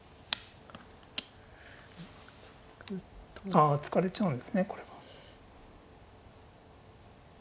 あ突かれちゃうんですねこれは。